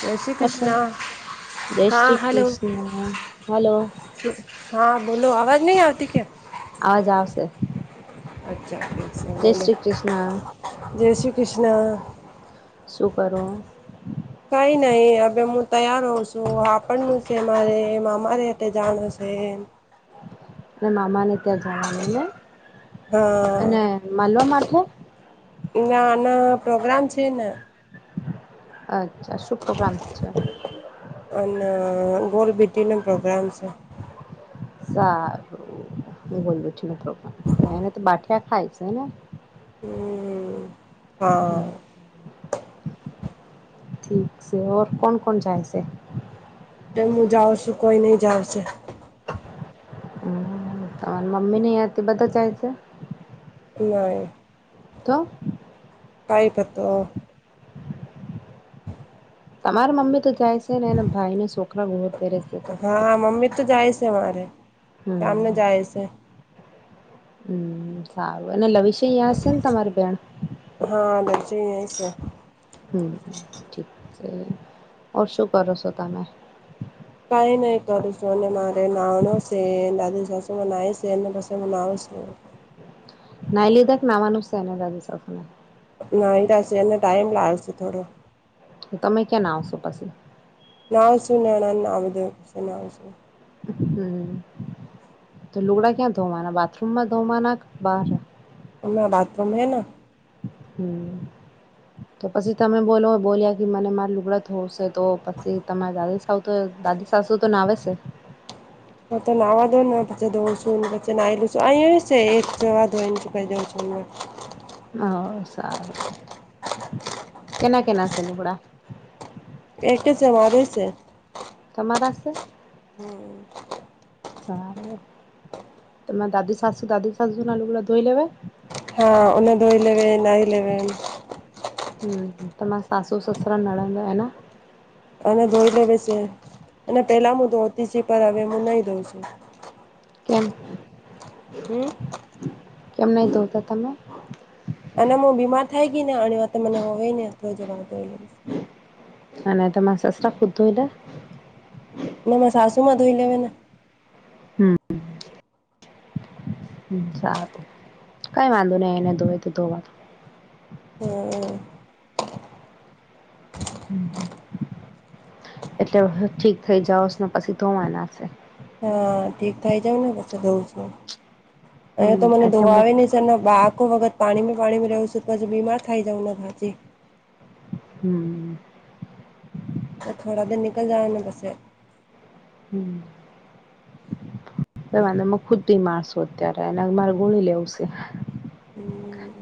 જય શ્રી હ કૃષ્ણ. જય હા શ્રી હલો કૃષ્ણ, હલો. હા બોલો અવાજ નહીં આવતી કે્યા? આવાજ આવશે. અચ્છા. છે જય બોલો શ્રી કૃષ્ણ. જય શ્રી કૃષ્ણ. શું કરો? કઈ નહી હવે હું તૈયાર હોઉં છું આપણનું છે મારે એમ અમારે હ જાણું છે એમ. અને મામાને ત્યાં જવાનું ને, અને હા માલવા માટે. ના ના પ્રોગ્રામ છે ને. અચ્છા શુ પ્રોગ્રામ છે? અને ગોલબીટી ન પ્રોગ્રામ છે. સારું હું બોલું છ મો પણ એને તો બાઠિયા ખાય છે ને. હમ હા. ઠીક છે કોણ કોણ જાય છે? એ હું જાઉં છું કોઈ નઈ જાવશે. તમારા મમ્મી નહી તે બધા જાય છે? નઇ. તો. કઈ પતો. તમારા મમ્મી તો જાય છે ને એને ભાઈને છોકરા ઘોર પહેરે છે તો. હા હા મમ્મી તો જાય છે મારે, શમને હમ જાય છે હમ સારું એ લવિશે અહં છે ને તમારી બેેણ હા દર્જ હમ ઠીક છેર શું કરો છો, તમે કઈ નહી કરું છું ને મારે નાનો છે દાદી સાસુ નાય છેને બ હું નાવે છુ. ના લીધાક નાવા નુસત એ દા ચ નાહી રહશેી એ ટાઈમ લાય્યો છે, થડો તો તમે ક્યાં ના આવશો પછી. ના સુું ના ના ના બધ ના સુું હમ તો લુગડા ક્યાં ધોવાના બાથરૂમમાં ધોવાના બાર અણા બાથરૂમ હૈ હમ્મ તો પછી તમે બોલો બોલ્યા કે મને મારે લુગડત હોશે તો પછી તમા દ તો દાદી સાસુ તો ના આવે છે. હ તો નાવા દોન દોસ પ નાઈલસ છે એક જ ધ પ દ હ સારું કેના કેના છે લુકડા એક છે વા છે. તમારા છે સારું તમામેરે દાદી શશુ દાદીી શાશુ આલુગુ ધોઈ લેવે હ અને દ ઇલેવન આ ઇલેવન હમ તમામ સાસુ સસુરા નળંદ એે અને ધોઈ લે બે છે અને પેલા હું ધોતી છી પણ હવે હું નહી ધોઉં છુ. કેમ હમ્મ કેમ નહી તોોતા તમે અને હું બીમાર થાય ગઈ ને અને વા મને હોવેય ને થડો જો વાતો. અને તો માસ ખુ તોું એટલે નમ સાસુ મધુંઈ લવે. હમ્મ હ સારું કઈ વાંધો નઈ એને ધોવે તો ધોવાનુ હમ્મ હમ હમ એટલે હ ઠીક થઇ જાાવસ ને પછી ધોવા નાશે. હા ઠીક થઈ જાવ ને પછ ધોઉં છું અ હમ તો મને એટલે ધોવા મુ આવે ને સર બા આકો વખત પાણીમાં પાણીમાં રહેું છું તો પછી બીમાર થાય જાઉંને ઘાથી. હમ થોડા દર નિકલ જ ને બસસે હમ તે વા ખુદ મારશો અત્યારે એના મારે ગુણી લેવશે હમ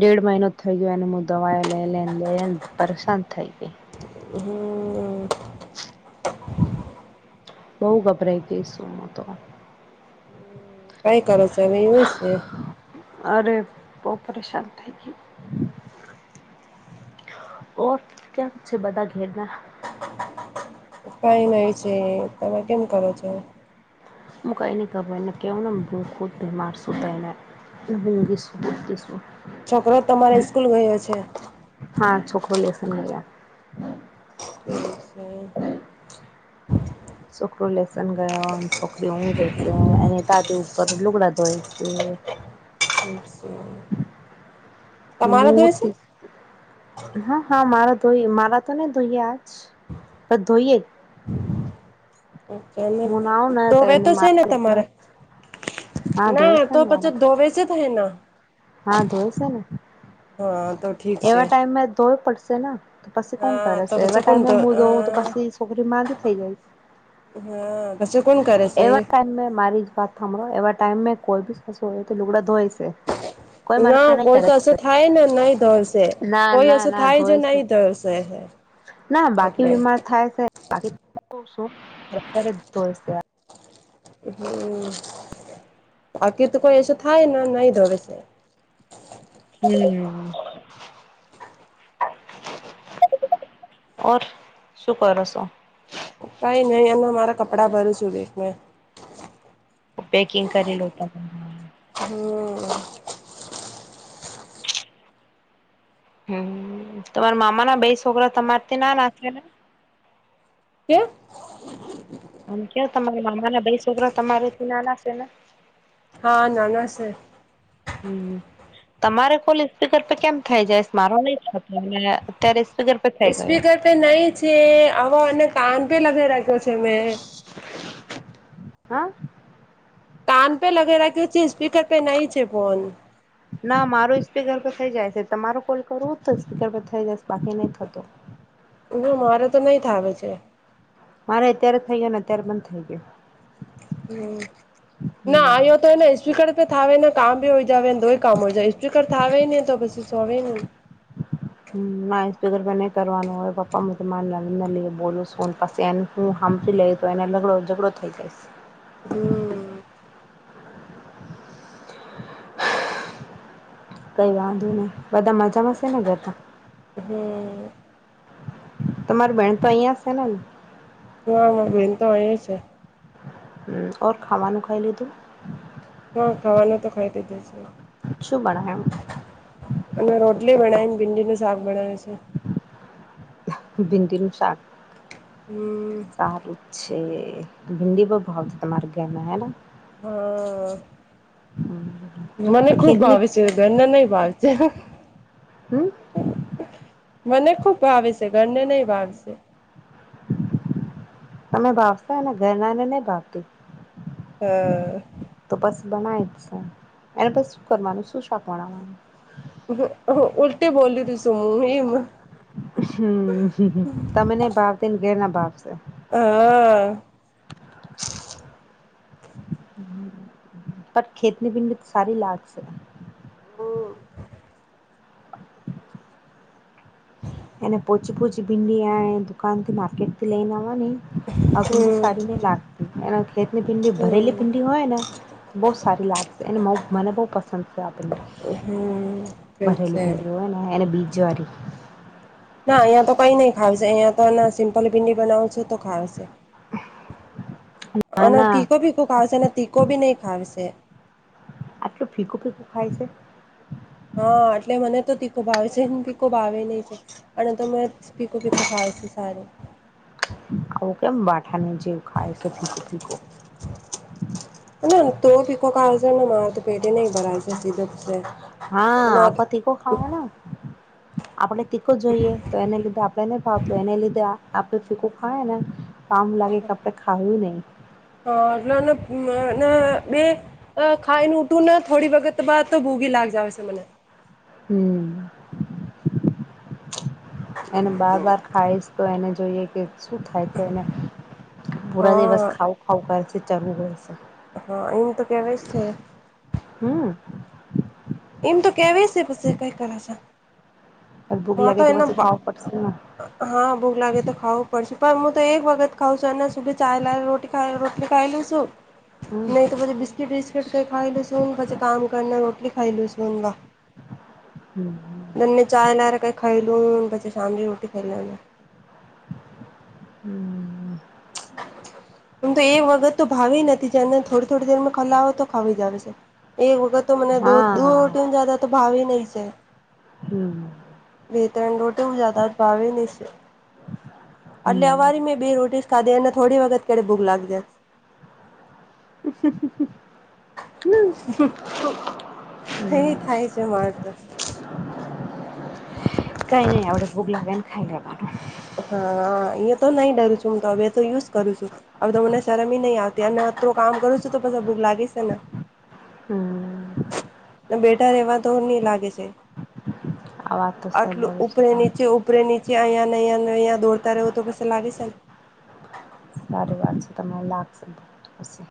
દેડ મહિનો. થઈ ગયો અને હું દવાયો લઈ લઈને લઈ લને પરેશાન થઈ ગઈ. હમ [inaudible] બઉ ગભરાઈ ગઈશું હું તો ટાય કરો ચાલ એ છે. અરે બહ પરેશાન થઈ. ગઈ ઓ ક્યા બધા ઘેરના [unintelligible] કઈ નય છે તમે કેમ કરો છો. મ ક એને કબને કેવનાને ભૂઃખદ બમાર સુતને દીસું દીસું. છોકરો તમારે સ્કૂલ ગયો છે. હા છોકરો લેસન ન હમ. છોકરો લેસન ગયો છોકરી હું રેશે એને તા પર લુગડા ધોય છે. [inaudible] તમારા ધોય છે મૂર્તિ. હા હા મારા ધોઈ મારા તો નને ધોઈએ આજ બ ધોઈએ જ. અચ્છા હું નાવ ને તોવે તો એને છે ને તમારે હા ધોઈ ના છે તો ને મારા પછાસ ધોવેસે જ હૈ ના હા ધોય છે ને તો ઠીક છે એવા ટાઈમમાં ધોવ પડશે ને તો પછી કોણ હા કરે તો છે પછી એવા કોણ ટાઈમે ધો હું જોઉં તો હા પછી છોકરી માં જ થઇ જાય. હા પછી કોણ કરે છે એવા ટાઈમ મારી જ વાત થંભરો એવા ટાઈમમે કોઈ બી સાસો હોય તો લુગડા ધોઈ છે. કોઈ ના મના નહી કોઈ કરે તો અ છે થાય ને નઈ ધરશે ના કોઈ ના એશે ના થાય છે ધોય નહી થયશે. ના બાકી બીમાર થાય [unintelligible] અત્યારે જો. હમ બાકી તો કોઈ એસો થાય ને નઈ ધવે છે. હમ. ઓર શું કરોસો? કઈ નહી એ મારા કપડા ભરું છું બે મેં પેકિંગ કરીલું ત હમ. હમ તમારા મામા ના બેઈ છોકરા તમારથી ના નાખે ને હે. આમ કેવ તમારા મામા ના ભાઈ છોકરા તમારે થી ના ના છે ને? હા નાન શે. હમ. તમારે કોલ સ્પીકર પ કેમ થઈ જાય મારો નહીતો અને અત્યારે સ્પીકર પર થઈ ગયો સ્પીકર તો નઈ છે હો અને કાન પે લગાવ રાખ્યો છે મેં હા. કાન પે લગેરા છે, સ્પીકર પે નહીં છે, ફોન. ના મારો સ્પીકર પર થઈ જાય છે, તમારો કોલ કરવું તો સ્પીકર પર થઈ જાય બાકી નહી થતો. ના મારે તો નહી થાવ છે. મારે અત્યારે થઈ ગયો ને અત્યારે પણ થઈ ગયો. હું ના હમ આવ્યો તો એને સ્પીકર થાવે ને કામ ભી હોય જાવ ને તોય કામ હોય જ સ્પીકર થાવ ને તો પછી સોવે ને હ ના એ સ્પીર પર નહીં કરવાનું હોય પપ્પા તો [unintelligible] લઈ બોલું ફોન પછી એ હું સાફી લઈ તો એને લગડો ઝઘડો થઇ જઈશ. હમ. કઈ વાંધો નહીં બધા મજા માંશે ને ઘરમાં. હમ. તમારી બહેન તો અહિયાં છે, ને ને. હ બેન તો અહીંયા છે. ખાવાનું ખાઈ લીધું?? હા ખાવાનું તો ખાઈ લીધું છે. શું બનાવ્યું. અને રોટલી બનાવીને ભીંડીનું શાક બનાવ્યું છે. ભીડીનું શાક હમ. સારૂં છે, ભિન્ડી બહુ ભાવતી તમારું માં હેને. હા મને તો ખુબ ખેતની ભાવે છે. તે ઘરને નહી ભાવ જેનું હમ્મ. મને ખુબ ભાવે છે ઘરને નહી ભાવશે. તમે ભાવશને ઘરનાને નઈ ભાવતું. હા. તો બસ બનાય જ છે એને પશું કરવાનું શું શાક‌મા નાખવાન. ઓહો ઓહો ઉલટી બોલી તું સુું એ [unintelligible] હમ્મ હામ હું તમે ને ભાવતીન કેર ના ભાવશે. આ આ. [inaudible] પર ખેતની ભીંડી તો સારી લાાગશે. હમ્મ. એ ને પોચી પોચી ભિંડી આયે દુકાનથી માાર્કેેટથી લઈને આવવાની આ ભિડી હમ સારી નઈ લાગતી એના ખેતની ભિડી ભરેલી હમ ભિડી હોય ને બહુ સારી લાગશે અને મા મને પસંદ છે આપડી હમ ઠીક ભરેલી છે ભીંડી હોય ને એને બીજ જ્વારી ના અહિયા તો કઈ નઈ ખાવશે અહિયા તો ના સિમ્પલ ભીંડી બનાવ છું તો ખાવશે. ના અને ના તીખો ભીકો ખાવશે અને તીખો ભી નહી ખાવશે. આટલું ફીકું ફીકું ખાઈ છે. હા એટલે મને તો તીખો ભાવે છે ને તીખો ભાવે નહી છે. અને તમે ફીકુ ફેકુ ભાવે છે સારૂં. આવો કેમ બાઠાને જેમ ખાય છે ફીકું ફીંકુ. ના તો ફીકો કઈ છે ને મારા તો પેટે ન ભરાય છે સીધો છે હા આપ તીખો ખાવાના આપડે તીકો જોઈએ તો એને લીધે આપણે નહી ફાવતું એને લીધે આપડ ફીકું ખાવાના કામ લાગે કે આપણે ખાવું નહીં. હા નો નો [unintelligible] બે અ ખાઈને ઉટું ના થોડી વખત બાદ તો ભોગી લાગ જાવે છે મને. હમ્મ એને બાર બાર ખાઈશ તો એને જોઈએ કે શું થાય તો એને પૂરા દિવસ હા ખાવુ [unintelligible] છે ચાલુ રહેય છે. હા એમ તો કેવાય છે. હમ્મ. એમ તો કેવા શે પછી કઈ કર સા. તો ભૂખ લાગે તો પાછી ખાવ પડશેને. હા ભૂગ લાગે તો ખાવું પડશે પણ હું તો એક વખત ખાવુ છું અને સુધી [unintelligible] રોટી કઈ રોટલી ખાઈ લેશું નહી તો પછી બી બિસ્કીટ કઈ ખાઈ લે શું પાછી કામ કરને રોટલી ખાઈ લેશું [unintelligible] હમ્મ હામ. ને ચા નર કઈ ખાઈ લું પછી શામની રોટી ખાઈ લેવાનું. હમ્મ. આમ તો એક વખત તો ભાવી નથી જેને થોડી થોડી દેરમાં ખલા હો તો ખાવી જાવે છે. એક વખત તો મને દો હા રટી જદા તો ભાવી નહી છે. હમ. બે ત્રણ રોટી હું જાદાદ ભાવે નહી છે એટલે હમ અવારી મેં બે રોટી. કદે એ ને થોડી વગત કયારે ભૂક લાગ જાય. હમ્મ હમ્મ હામ હો હૈ થાય છે માર તો. કઈ નહી આવડે ભૂગ લાગે ને ખાઈ લેવાનું. હા અ તો નહી ડરું છું હું તો હવે તો યુઝ કરું છું. હવે તો મને શરમ નઈ આવતી અને અત્રું કામ કરું છું તો પછ ભૂખ લાગી છે ને. હમ. બેઠા રહેવા તો નહી લાગે છે આ વાત તો સ આટલું બોલો છો ઉપરે તમે નીચે ઉ ઉપરે નીચે અહીંયાને અહીંયાને અહીંયા દોડતા રહો તો પછી લાગે છે ને. સાર વાત છે તમારી લાગશે પછી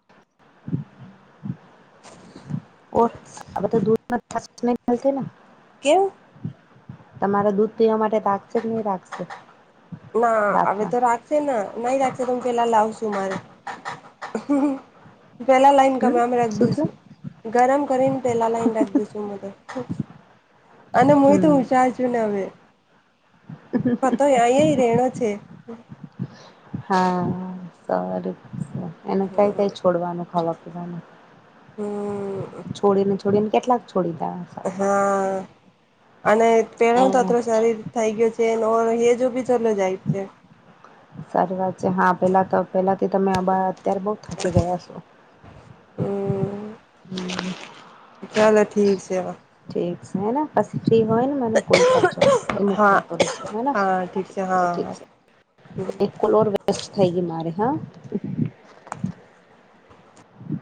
ઓ આ બધું દૂધ ના [unintelligible] કેવું તમારે દૂધ પીવા માટે રાખશે કે નહી રાખશે. ના હવે રાતના તો રાખશે ને નહી રાખશે ત પેલા લાવશું મારે. પહેલા લાઈન હમ કમરા મેં રખ શું થયું દઈશું ગરમ કરીને તેલા લઈને રાખી દઈશું તો અને હું એ તો હમ હુછાર. હવે ફતો અંહિયાય રહેણા છે. હા સારુ સા એને કાંઈ કંઈ છોડવાનું ખવા પીવાનું. હમ છોડી ને છોડીને કેટલાક છોડી દા. હા અને એ પહેલા તોત્રો શરીર. થઈ ગયું છે નો હેજો પીચર લ જાય છે. સારી વાત છે હા પેલા તો પેલાથી તમે અત્યારે બઉ થાકી ગયા છો. હમ હમ. ચાલો ઠીક છે વા. ઠીક છે હેને પછી ફ્રી હોય ને મને કોલ કરજો કે હું હા કોલ કરું છું હે ને હા ઠીક છે હા એક કોલ ઓર વેસ્ટ થઈ ગઈ મારે હા.